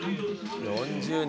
４０年！